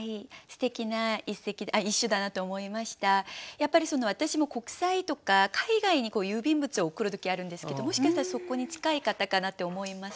やっぱり私も国際とか海外に郵便物を送る時あるんですけどもしかしたらそこに近い方かなって思います。